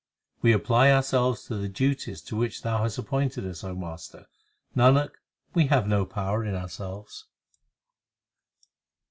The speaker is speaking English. We apply ourselves to the duties to which Thou hast appointed us, O Master : Nanak, we have no power in ourselves.